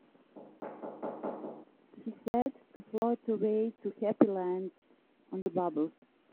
He said to float away to Happy Land on the bubbles.